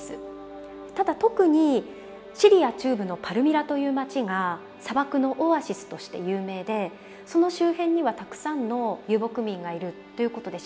ただ特にシリア中部のパルミラという町が砂漠のオアシスとして有名でその周辺にはたくさんの遊牧民がいるということで知られてたんですよね。